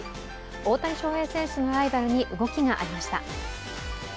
大谷翔平選手のライバルに動きがありました。